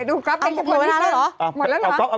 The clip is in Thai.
ดูก๊อปเป็นจะเปิดเวลาแล้วหรือ